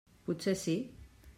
Potser sí!